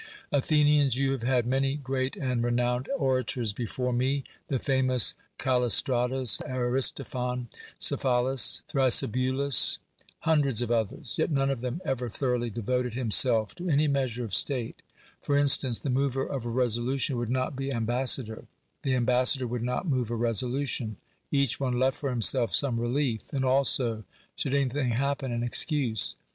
Athenians, you have had many great and re nowned orators before me; the famous Callis tratus, Aristophon, Cephalus, Thrasybulus, hun dreds of others, yet none of them ever thoroughly devoted himself to any measure of state : for in stance, the mover of a resolution would not be ambassador; the ambassador would not move a resolution ; each one left for himself some relief, and also, should anything happen, an excuse.